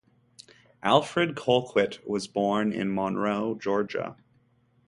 Alfred Colquitt was born in Monroe, Georgia.